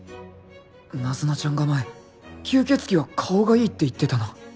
ナズナちゃんが前吸血鬼は顔がいいって言ってたな